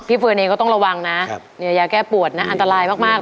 เฟิร์นเองก็ต้องระวังนะอย่าแก้ปวดนะอันตรายมาก